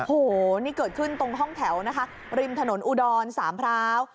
โอ้โหนี่เกิดขึ้นตรงห้องแถวนะคะริมถนนอุดรสามพร้าว